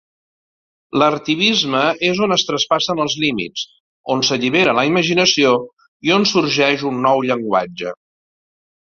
L'artivisme és on es traspassen els límits, on s'allibera la imaginació i on sorgeix un nou llenguatge.